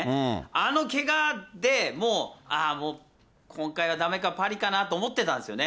あのけがで、もう、ああ、もう、今回はだめか、パリかなと思ってたんですよね。